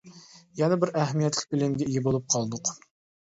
يەنە بىر ئەھمىيەتلىك بىلىمگە ئىگە بولۇپ قالدۇق.